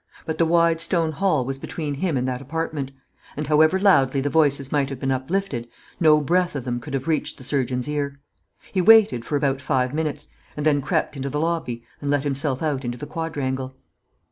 But the wide stone hall was between him and that apartment; and however loudly the voices might have been uplifted, no breath of them could have reached the surgeon's ear. He waited for about five minutes, and then crept into the lobby and let himself out into the quadrangle.